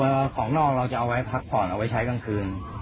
ของนอกเราจะเอาไว้พักผ่อนเอาไว้ใช้กลางคืน